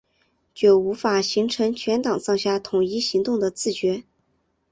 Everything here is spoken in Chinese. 就无法形成全党上下统一行动的自觉